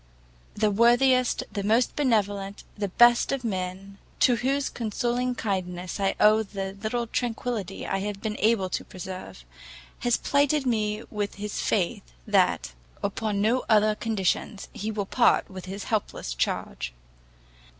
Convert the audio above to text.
The worthiest, the most benevolent, the best of men, to whose consoling kindness I owe the little tranquillity I have been able to preserve, has plighted me his faith, that, upon no other conditions, he will part with his helpless charge.